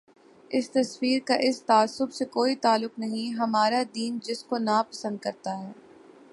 اس تصور کا اس تعصب سے کوئی تعلق نہیں، ہمارا دین جس کو ناپسند کر تا ہے۔